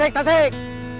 tasik tasik tasik